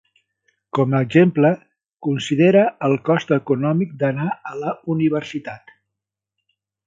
Com a exemple, considera el cost econòmic d"anar a la universitat.